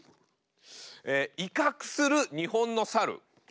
威嚇する日本の猿。